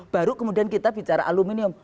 baru kemudian kita bicara aluminium